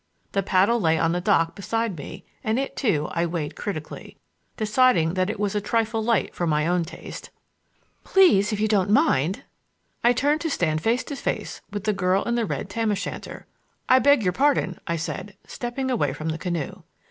The paddle lay on the dock beside me and it, too, I weighed critically, deciding that it was a trifle light for my own taste. "Please—if you don't mind—" I turned to stand face to face with the girl in the red tam o' shanter. "I beg your pardon," I said, stepping away from the canoe.